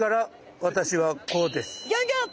ギョギョッ！